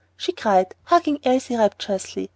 she cried, hugging Elsie rapturously.